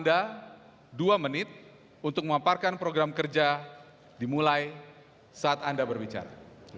anda dua menit untuk memaparkan program kerja dimulai saat anda berbicara